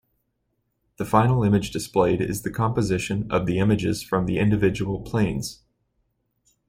The final image displayed is the composition of the images from the individual planes.